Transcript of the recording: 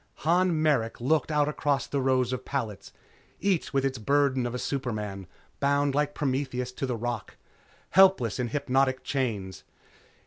Han Merrick looked out across the rows of pallets, each with its burden of a superman, bound like Prometheus to the rock, helpless in hypnotic chains.